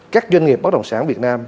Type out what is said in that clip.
các doanh nghiệp bất đồng sản việt nam